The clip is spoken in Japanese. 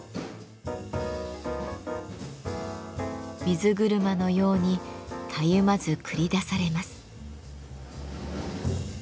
水車のようにたゆまず繰り出されます。